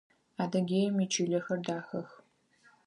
Адыгеим ичылэхэр дахэх.